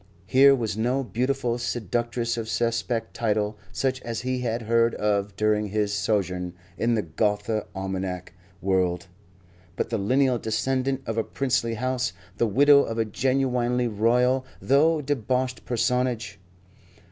Here was no beautiful seductress of suspect title such as he had heard of during his sojourn in the Gotha Almanack world, but the lineal descendant of a princely house, the widow of a genuinely royal, though deboshed personage.